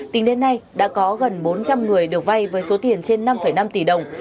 tính đến nay đã có gần bốn trăm linh người được vay với số tiền trên năm năm tỷ đồng